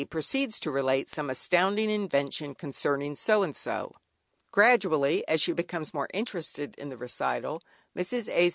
proceeds to relate some astounding invention concerning so and so. Gradually, as she becomes more interested in the recital, Mrs. A's.